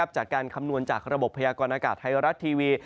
คำนวณจากระบบพยากรณากาศไทยรัฐทีวี